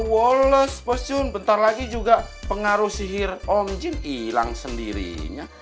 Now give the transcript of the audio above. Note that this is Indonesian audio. wallace bos jun bentar lagi juga pengaruh sihir om jin hilang sendirinya